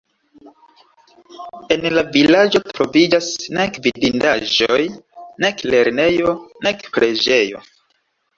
En la vilaĝo troviĝas nek vidindaĵoj, nek lernejo, nek preĝejo.